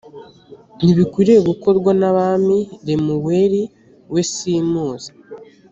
ntibikwiriye gukorwa nabami lemuweli we simuzi